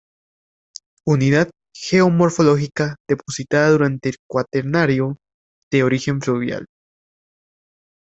Unidad geomorfológica depositada durante el Cuaternario, de origen fluvial.